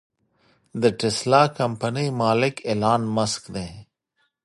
د ټسلا کمپنۍ مالک ايلام مسک دې.